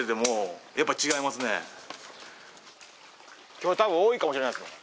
今日たぶん多いかもしれないですね。